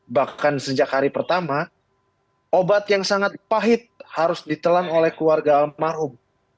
bahkan sejak hari pertama obat yang sangat pahit harus ditelan oleh keluarga almarhum